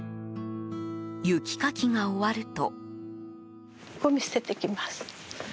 雪かきが終わると。